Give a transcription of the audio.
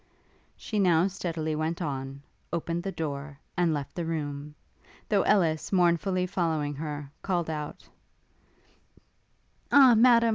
She now steadily went on, opened the door, and left the room, though Ellis, mournfully following her, called out: Ah, Madam!